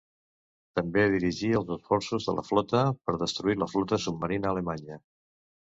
També dirigí els esforços de la Flota per destruir la flota submarina alemanya.